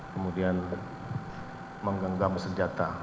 kemudian mengganggam senjata